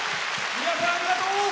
皆さんありがとう！